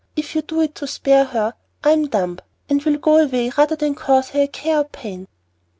If you do it to spare her, I am dumb, and will go away rather than cause her a care or pain."